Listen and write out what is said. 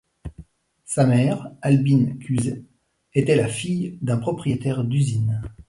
Sa mère, Albine Kusee, était la fille d'un propriétaire d'usine.